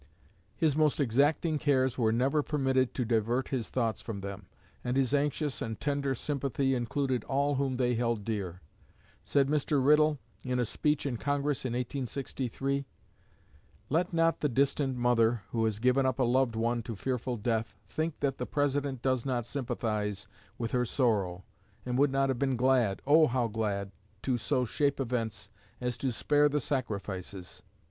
His most exacting cares were never permitted to divert his thoughts from them, and his anxious and tender sympathy included all whom they held dear. Said Mr. Riddle, in a speech in Congress in 1863: "Let not the distant mother, who has given up a loved one to fearful death, think that the President does not sympathize with her sorrow, and would not have been glad oh, how glad to so shape events as to spare the sacrifices.